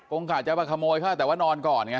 ผมกล่าวจะไปขโมยผ้าแต่ว่านอนก่อนไง